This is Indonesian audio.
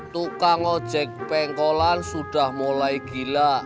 tukang ojek pengkolan sudah mulai gila